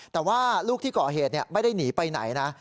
แต่ว่าลูกที่ก่อเหตุไม่ได้หนีไปไหนนะ